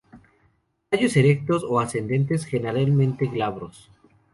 Tallos erectos o ascendentes, generalmente glabros.